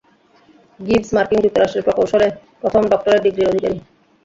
Gibbs মার্কিন যুক্তরাষ্ট্রের প্রকৌশলে প্রথম ডক্টরেট ডিগ্রির অধিকারী।